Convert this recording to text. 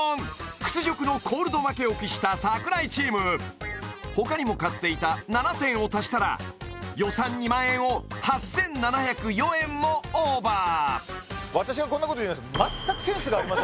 屈辱のコールド負けを喫した櫻井チーム他にも買っていた７点を足したら予算２万円を８７０４円もオーバー